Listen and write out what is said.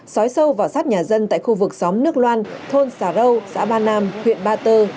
xói sâu vào sát nhà dân tại khu vực xóm nước loan thôn xà râu xã ba nam huyện ba tơ